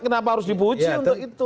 kenapa harus dipuji untuk itu